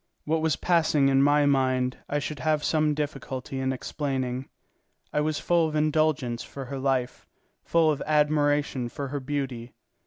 What was passing in my mind I should have some difficulty in explaining. I was full of indulgence for her life, full of admiration for her beauty.